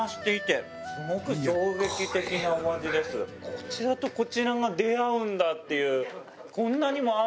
こちらとこちらが出会うんだっていう。